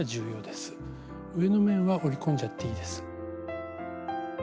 上の面は折り込んじゃっていいです。